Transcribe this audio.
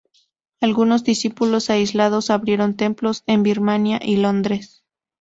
Algunos discípulos aislados abrieron templos en Birmania y Londres.